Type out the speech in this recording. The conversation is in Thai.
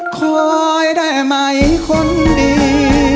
คอยได้ไหมคนดี